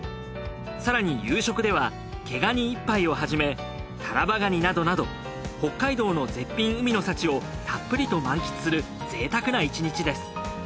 更に夕食では毛ガニ１杯をはじめタラバガニなどなど北海道の絶品海の幸をたっぷりと満喫する贅沢な１日です。